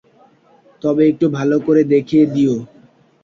তবে একটু ভাল করে দেখে দিও।